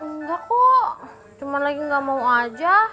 enggak kok cuma lagi nggak mau aja